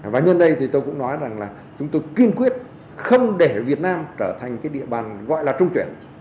và nhân đây thì tôi cũng nói rằng là chúng tôi kiên quyết không để việt nam trở thành cái địa bàn gọi là trung chuyển